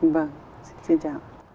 vâng xin chào